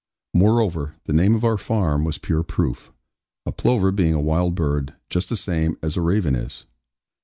Moreover, the name of our farm was pure proof; a plover being a wild bird, just the same as a raven is.